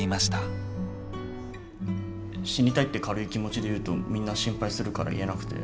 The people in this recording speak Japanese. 死にたいって軽い気持ちで言うとみんな心配するから言えなくて。